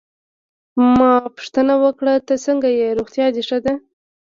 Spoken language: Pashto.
ما پوښتنه وکړه: ته څنګه ېې، روغتیا دي ښه ده؟